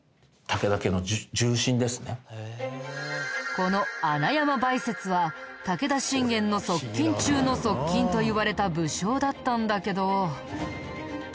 この穴山梅雪は武田信玄の側近中の側近といわれた武将だったんだけど。